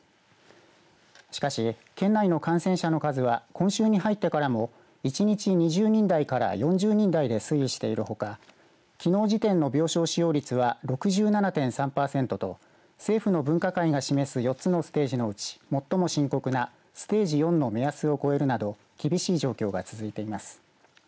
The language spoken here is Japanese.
しかし、県内の感染者の数は今週に入ってからも１日２０人台から４０人台で推移しているほかきのう時点の病床使用率は６７．３パーセントと政府の分科会が示す４つのステージのうち最も深刻なステージ４の目安を超えるなど厳しい状況が続いています。